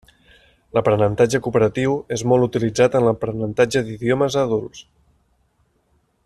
L'aprenentatge cooperatiu és molt utilitzat en l'aprenentatge d'idiomes a adults.